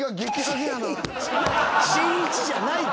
しんいちじゃないってあれ。